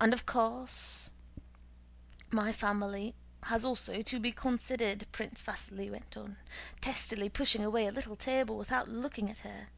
"And then of course my family has also to be considered," Prince Vasíli went on, testily pushing away a little table without looking at her.